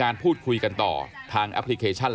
ร้องร้องร้องร้อง